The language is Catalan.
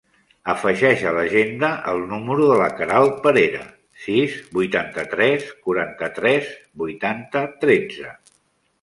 Afegeix a l'agenda el número de la Queralt Parera: sis, vuitanta-tres, quaranta-tres, vuitanta, tretze.